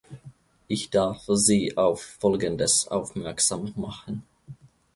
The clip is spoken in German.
Ich darf Sie auf Folgendes aufmerksam machen.